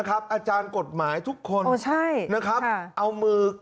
อาจารย์กฎหมายทุกคนเอามือไก่หน้าผาก